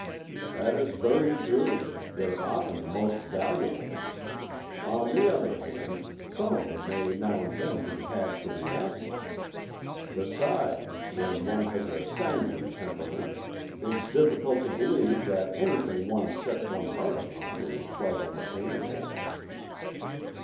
"That is very true. They're often the most valuable. On the other hand, some of them may now and then be had for the asking. Besides, when one has a sanguine temperament, it's difficult to believe that anything one sets one's heart upon is quite unattainable."